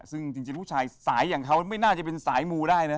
ซึ่งจริงผู้ชายสายอย่างเขาไม่น่าจะเป็นสายมูได้นะ